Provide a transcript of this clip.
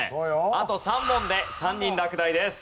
あと３問で３人落第です。